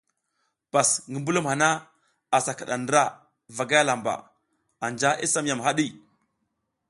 Pas ngi mbulum hana asa kiɗa ndra vagay lamba, anja i sam yam haɗi.